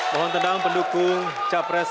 mohon tenang pendukung capres